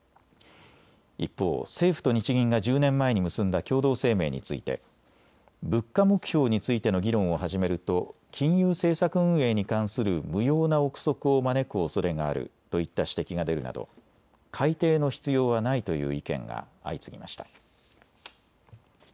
一方、政府と日銀が１０年前に結んだ共同声明について物価目標についての議論を始めると金融政策運営に関する無用な臆測を招くおそれがあるといった指摘が出るなど改定の必要はないという意見が相次ぎました。